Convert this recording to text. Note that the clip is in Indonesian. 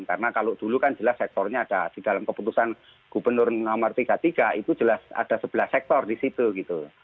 karena kalau dulu kan jelas sektornya ada di dalam keputusan gubernur nomor tiga puluh tiga itu jelas ada sebelas sektor di situ gitu